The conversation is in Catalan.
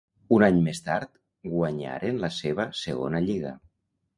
Un any més tard guanyaren la seva segona lliga.